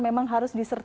memang harus diperlukan